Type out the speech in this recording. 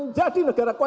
dan menjadi negara kuat